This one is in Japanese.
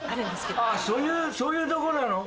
そういうとこなの？